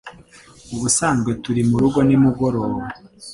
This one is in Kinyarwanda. Ubusanzwe turi murugo nimugoroba.